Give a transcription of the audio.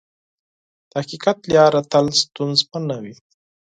د حقیقت لاره تل ستونزمنه وي.